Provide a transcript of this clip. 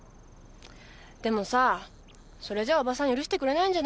でもさそれじゃおばさん許してくれないんじゃない？